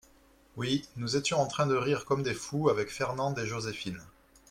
Oui, nous étions en train de rire comme des fous avec Fernande et Joséphine.